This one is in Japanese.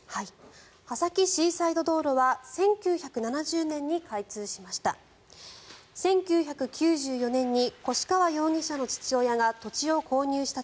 波崎シーサイド道路は１９７０年に開通しました。